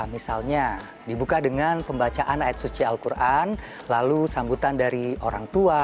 misalnya dibuka dengan pembacaan ayat suci al quran lalu sambutan dari orang tua